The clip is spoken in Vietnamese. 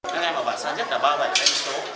các em ở bản xa nhất là ba mươi bảy em số